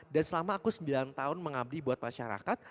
dan selama aku sembilan tahun mengabdi buat masyarakat